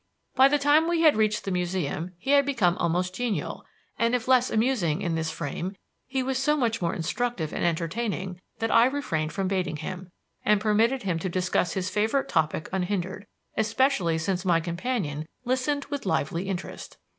By the time we had reached the Museum he had become almost genial; and, if less amusing in this frame, he was so much more instructive and entertaining that I refrained from baiting him, and permitted him to discuss his favorite topic unhindered, especially since my companion listened with lively interest.